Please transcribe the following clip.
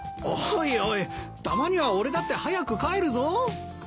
おいおいたまには俺だって早く帰るぞ。